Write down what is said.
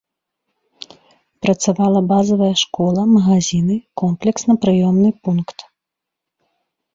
Працавала базавая школа, магазіны, комплексна-прыёмны пункт.